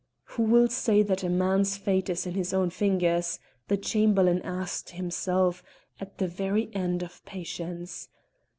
"Who will say that man's fate is in his own fingers?" the Chamberlain asked himself, at the very end of patience.